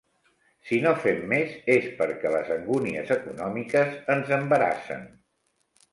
Si no fem més és perquè les angúnies econòmiques ens embarassen.